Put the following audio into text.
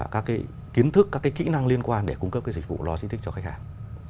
các kiến thức các kỹ năng liên quan để cung cấp dịch vụ lôi stick cho khách hàng